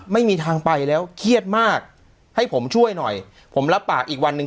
ไม่มีทางไปแล้วเครียดมากให้ผมช่วยหน่อยผมรับปากอีกวันหนึ่ง